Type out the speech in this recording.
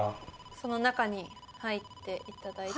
その中に入っていただいて。